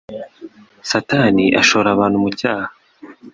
Satani ashora abantu mu cyaha,